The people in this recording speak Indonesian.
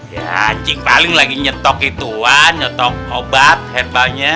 ya cik paling lagi nyetok ituan nyetok obat handballnya